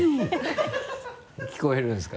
聞こえるんですか？